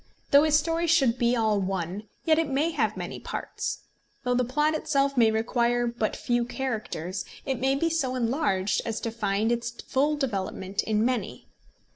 Though his story should be all one, yet it may have many parts. Though the plot itself may require but few characters, it may be so enlarged as to find its full development in many.